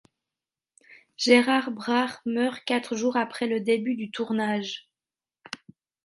Gérard Brach meurt quatre jours après le début du tournage.